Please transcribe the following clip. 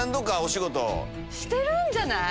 してるんじゃない？